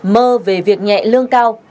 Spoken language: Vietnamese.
mơ về việc nhẹ lương cao